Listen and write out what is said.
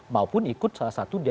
maupun ikut salah satu di atas